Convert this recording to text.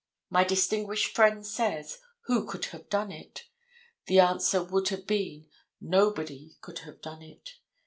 My distinguished friend says, Who could have done it? The answer would have been, nobody could have done it.